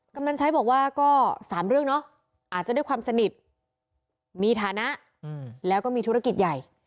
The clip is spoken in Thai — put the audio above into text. กำนันใช้บอกว่าก็๓เรื่องเนาะอาจจะด้วยความสนิทมีฐานะแล้วก็มีธุรกิจใหญ่